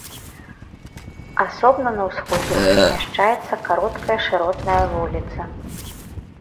Асобна на ўсходзе размяшчаецца кароткая шыротная вуліца.